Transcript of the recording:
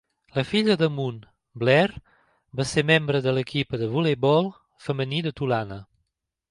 La filla de Moon, Blair, va ser membre de l'equip de voleibol femení de Tulane.